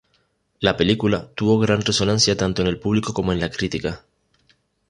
La película tuvo gran resonancia tanto en el público como en la crítica.